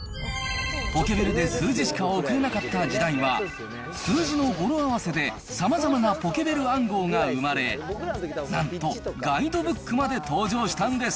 ポケベルで数字しか送れなかった時代は、数字のごろ合わせでさまざまなポケベル暗号が生まれ、なんと、ガイドブックまで登場したんです。